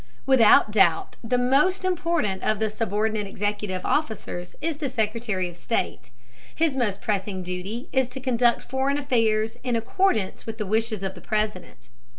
Without doubt the most important of the subordinate executive officers is the Secretary of State. His most pressing duty is to conduct foreign affairs in accordance with the wishes of the President.